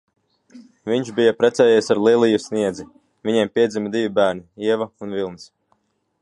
Viņš bija precējies ar Liliju Sniedzi, viņiem piedzima divi bērni: Ieva un Vilnis.